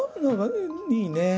いいね。